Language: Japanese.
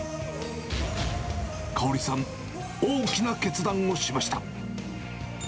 嘉織さん、大きな決断をしました。